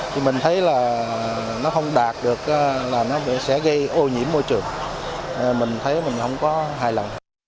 thì mình thấy là nó không đạt được là nó sẽ gây ô nhiễm môi trường mình thấy mình không có hài lòng